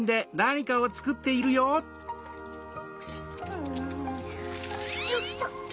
よっと！